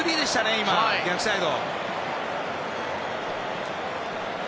今、逆サイド。